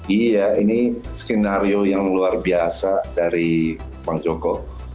iya ini skenario yang luar biasa dari bang joko